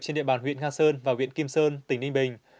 trên địa bàn huyện nga sơn và huyện kim sơn tỉnh ninh bình